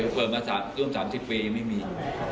เผิดมาตั้ง๔๐ปีไม่มี